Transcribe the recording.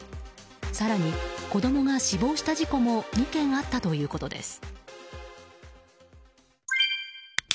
更に、子供が死亡した事故も２件あったということです。